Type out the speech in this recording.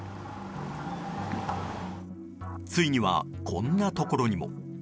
ついには、こんなところにも。